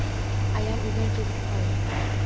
Ayam uydan ketib qoldi